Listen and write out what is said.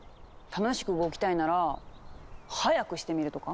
楽しく動きたいなら速くしてみるとか。